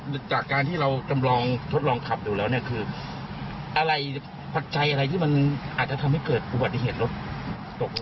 จากการที่เราจำลองทดลองขับดูแล้วเนี่ยคืออะไรปัจจัยอะไรที่มันอาจจะทำให้เกิดอุบัติเหตุรถตก